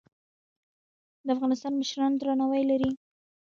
د افغانستان مشران درناوی لري